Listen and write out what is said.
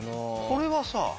これはさ。